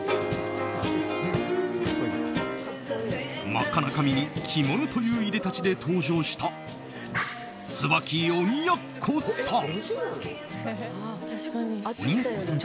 真っ赤な髪に着物といういでたちで登場した椿鬼奴さん。